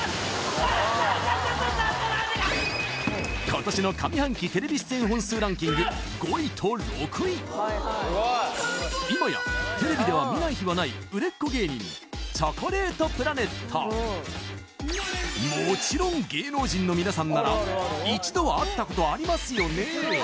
今年の上半期テレビ出演本数ランキング５位と６位今やテレビでは見ない日はない売れっ子芸人もちろん芸能人のみなさんなら一度は会ったことありますよね？